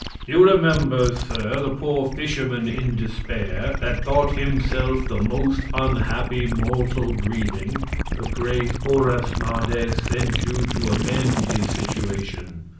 You remember, Sir, the poor Fisherman in Despair, that thought himself the most unhappy Mortal breathing. The great Orasmades, sent you to amend his Situation.